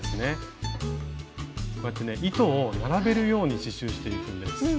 こうやってね糸を並べるように刺しゅうしていくんです。